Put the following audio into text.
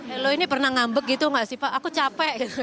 elo ini pernah ngambek gitu gak sih pak aku capek gitu